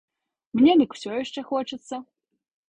Мне дык усё яшчэ хочацца.